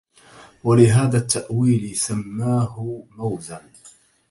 ولهذا التأوِيلِ سَماه موزاً